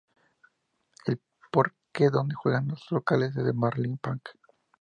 El parque donde juegan de locales es el Marlins Park.